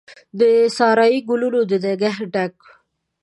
د سارایي ګلونو د نګهت ډک،